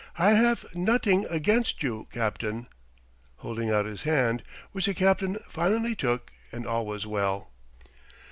I haf noting against you, Captain," holding out his hand, which the Captain finally took and all was well.